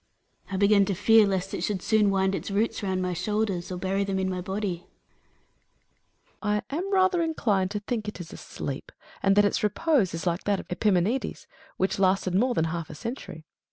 I began to fear lest it should soon wind its roots round my shoulders, or bury them in my body. Hercules. I am rather inclined to think it is asleep, and that its repose is like that of Epimenides,^ which lasted more than half a century.